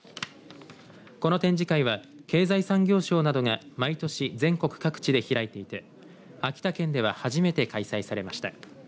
この展示会は経済産業省などが毎年、全国各地で開いていて秋田県では初めて開催されました。